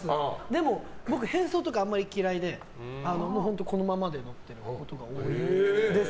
でも、僕変装とか嫌いで、このままで乗ってることが多いです。